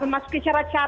masuk ke cara calon